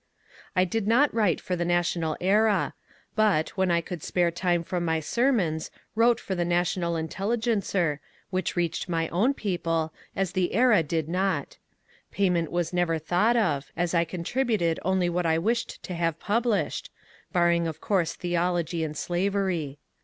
I did not write for the ^^ National Era," but when I could spare time from my sermons wrote for the ^^ National Intel ligencer," which reached my own people, as the " Era " did not. Payment was never thought of, as I contributed only what I wished to have published, — barring of course theology and slavery.